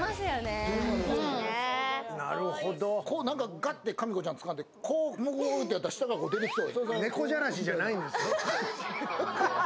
ガッてかみこちゃんつかんで、うにゅにゅってやったら下からこう出てきそう。